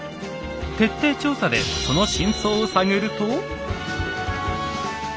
徹底調査でその真相を探ると。